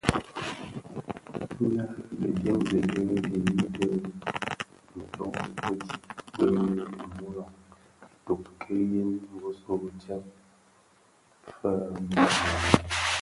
Nnë dhi dimzi di dhiyis di dhi nto u dhid bi dimuloň Itoko ki yin bisuu ntsem fè bi kameroun,